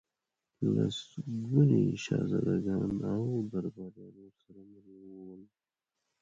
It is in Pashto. لسګوني شهزادګان او درباریان ورسره مل ول.